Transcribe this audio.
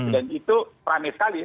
dan itu rame sekali ya